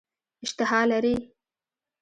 اشتها لري.